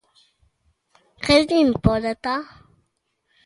¿Que lle importa?